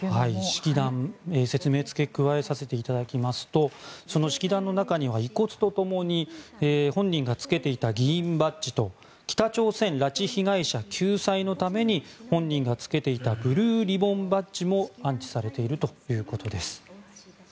式壇の説明につけ加えさせていただきますとその式壇の中には遺骨とともに本人がつけていた議員バッジと北朝鮮拉致被害者救済のために本人がつけていたブルーリボンバッジも安置されているということです。